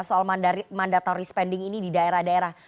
soal mandatory spending ini di daerah daerah